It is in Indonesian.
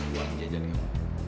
uang jajan gak